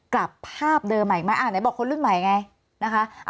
กลับภาพเดิมใหม่อีกมั้ยอ่ะเดี๋ยวบอกคนรุ่นใหม่ไงนะคะ